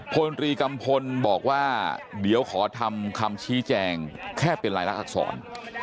พลตรีกัมพลบอกว่าเดี๋ยวขอทำคำชี้แจงแค่เป็นรายละอักษร